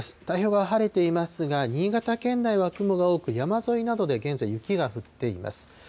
太平洋側晴れていますが、新潟県内は雲が多く山沿いなどでは現在、雪が降っています。